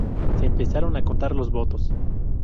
Se empezaron a contar los votos.